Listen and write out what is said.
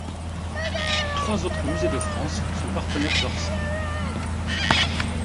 Trois autres musées de France sont partenaires d'Orsay.